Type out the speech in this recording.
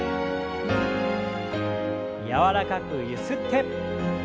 柔らかくゆすって。